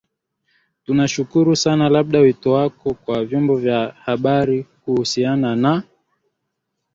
tunashukuru sana labda wito wako kwa vyombo vya habari kuhusiana na